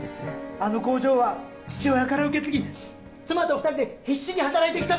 あの工場は父親から受け継ぎ妻と２人で必死に働いてきた場所なんです。